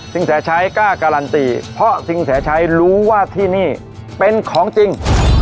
แสชัยกล้าการันตีเพราะสินแสชัยรู้ว่าที่นี่เป็นของจริง